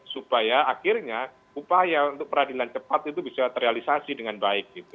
supaya akhirnya upaya untuk peradilan cepat itu bisa terrealisasi dengan baik